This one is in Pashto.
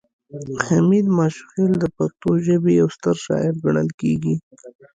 حمید ماشوخیل د پښتو ژبې یو ستر شاعر ګڼل کیږي